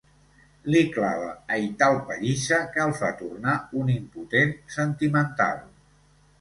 Li clava aital pallissa que el fa tornar un impotent sentimental.